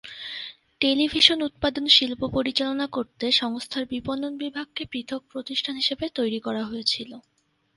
Television উৎপাদন শিল্প পরিচালনা করতে সংস্থার বিপণন বিভাগকে পৃথক প্রতিষ্ঠান হিসাবে তৈরি করা হয়েছিল।